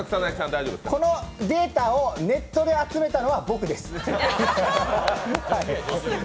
このデータをネットで集めたのは、僕です。